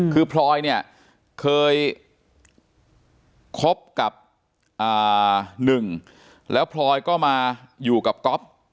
คือพลอยเนี่ยเคยคบกับหนึ่งแล้วพลอยก็มาอยู่กับก๊อฟ